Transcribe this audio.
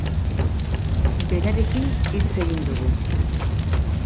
Berarekin hitz egin dugu.